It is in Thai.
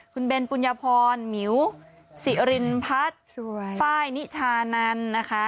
คุณเบนปุญพรหมิวสิรินพัฒน์ฟ้ายนิชานัน